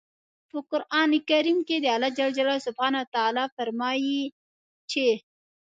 په قرآن کریم کې الله سبحانه وتعالی فرمايي چې